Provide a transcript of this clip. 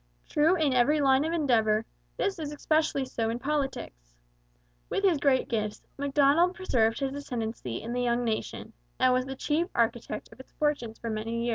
True in every line of endeavour, this is especially so in politics. With his great gifts, Macdonald preserved his ascendancy in the young nation and was the chief architect of its fortunes for many years.